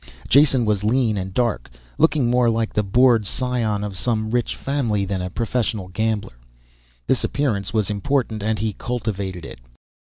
Jason was lean and dark, looking more like the bored scion of some rich family than a professional gambler. This appearance was important and he cultivated it.